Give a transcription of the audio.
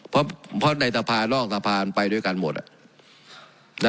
เพราะเพราะในทรภานอกทรภาไปด้วยกันหมดอ่ะนะ